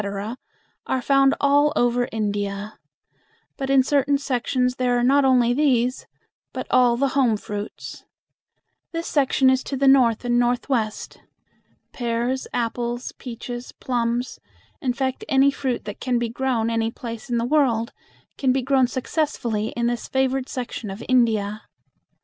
are found all over India; but in certain sections there are not only these, but all the home fruits. This section is to the north and northwest. Pears, apples, peaches, plums in fact, any fruit that can be grown any place in the world can be grown successfully in this favored section of India.